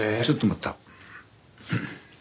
ちょっと待った。